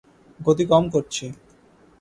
গতি কম করছি।